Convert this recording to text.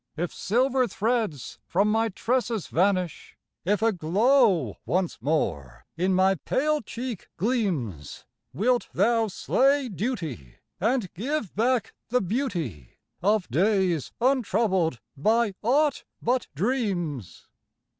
If silver threads from my tresses vanish, If a glow once more in my pale cheek gleams, Wilt thou slay duty and give back the beauty Of days untroubled by aught but dreams?